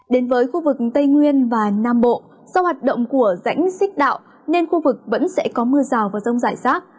đến với khu vực tây nguyên và nam bộ sau hoạt động của rãnh xích đạo nên khu vực vẫn sẽ có mưa rào và rông giải sát